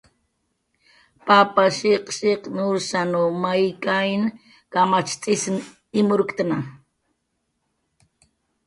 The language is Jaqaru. Papas shiq'shiq' nursanw may kayn kamacht'isn imurktna.